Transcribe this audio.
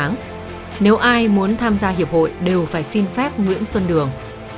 nếu ai muốn tham gia hiệp hội đều phải xin phép nguyễn xuân đường